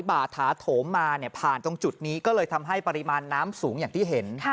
บ่าถาโถมมาผ่านตรงจุดนี้ก็เลยทำให้ปริมาณน้ำสูงอย่างที่เห็น